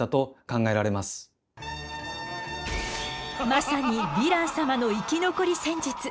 まさにヴィラン様の生き残り戦術！